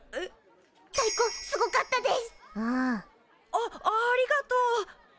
あっありがとう。